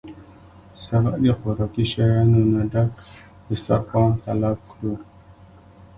څخه د خوراکي شيانو نه ډک دستارخوان طلب کړو